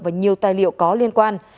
và nhiều tài liệu có liên quan